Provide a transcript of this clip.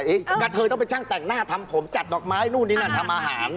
กระเทยต้องเป็นช่างแต่งหน้าทำผมจัดดอกไม้นู่นนี่นั่นทำอาหาร